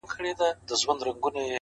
• بندولې یې د خلکو د تلو لاري ,